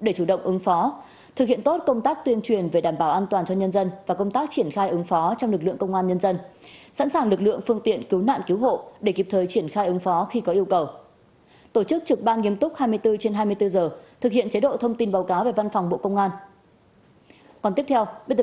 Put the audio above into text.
để chủ động ưng phó về văn phòng bộ công an đề nghị ban chỉ huy ưng phó về biến đổi khí hậu phòng chống thiên tai và tìm kiếm cứu nạn công an các đơn vị địa phương chỉ đạo triển khai thực hiện một số nội dung như sau